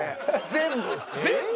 全部。